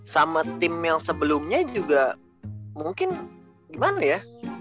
sama tim yang sebelumnya juga mungkin gimana ya